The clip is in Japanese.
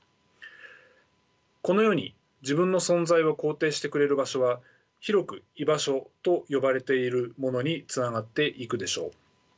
このように自分の存在を肯定してくれる場所は広く居場所と呼ばれているものにつながっていくでしょう。